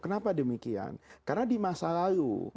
kenapa demikian karena di masa lalu